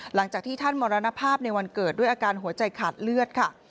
หลังจากที่ท่านมรณภาพในวันเกิดด้วยอาการหัวใจขาดเลือดค่ะ